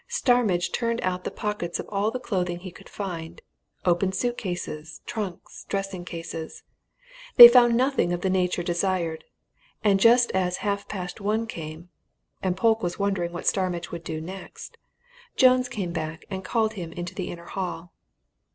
Starmidge turned out the pockets of all the clothing he could find: opened suit cases, trunks, dressing cases. They found nothing of the nature desired. And just as half past one came, and Polke was wondering what Starmidge would do next, Jones came back and called him into the inner hall.